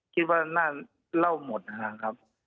คิดว่าน่าเล่าหมดนะครับ